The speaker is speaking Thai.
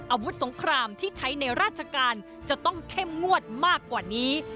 อาวุธสงครามที่ใช้ในราชการจะต้องเข้มงวดมากกว่านี้